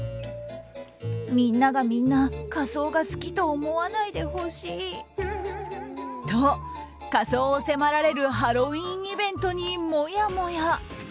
みんながみんな仮装が好きと思わないでほしい。と、仮装を迫られるハロウィーンイベントにもやもや。